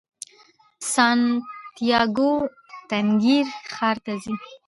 سانتیاګو تنګیر ښار ته ځي.